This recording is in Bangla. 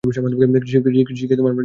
কৃষিকে আমরা যান্ত্রিকীকরণ করছি।